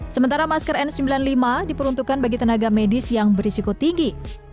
sementara masker n sembilan puluh lima diperuntukkan bagi tenaga medis yang berisiko tinggi